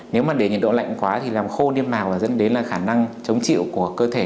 nếu mà để nhiệt độ lạnh quá thì làm khô niêm mạc và dẫn đến là khả năng chống chịu của cơ thể